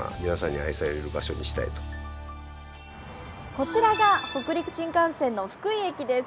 こちらが北陸新幹線の福井駅です。